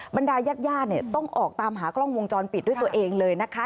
บรรดายาดเนี่ยต้องออกตามหากล้องวงจรปิดด้วยตัวเองเลยนะคะ